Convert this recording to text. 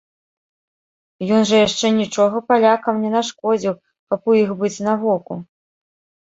Ён жа яшчэ нічога палякам не нашкодзіў, каб у іх быць на воку?